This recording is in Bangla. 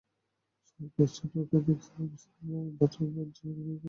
রাত সাড়ে নয়টার দিকে সাইফুল বাসায় ফিরে মর্জিনাকে মেয়ের কথা জিজ্ঞেস করেন।